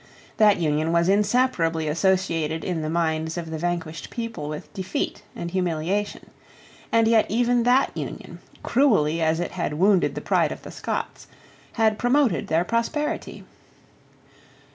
That union was inseparably associated in the minds of the vanquished people with defeat and humiliation. And yet even that union, cruelly as it had wounded the pride of the Scots, had promoted their prosperity.